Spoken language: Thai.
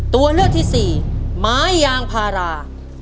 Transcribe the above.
ตัวเลือกที่สี่ไม้ยางพารา